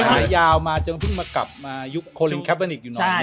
มายาวมาจนเพิ่งมากลับยุคโคลิงแคบานิคอยู่หน่อยหนึ่ง